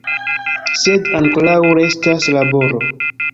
Sed ankoraŭ restas laboro.